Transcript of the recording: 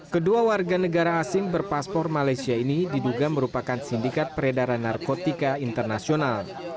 kedua warga negara asing berpaspor malaysia ini diduga merupakan sindikat peredaran narkotika internasional